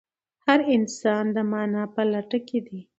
هر انسان د مانا په لټه کې دی.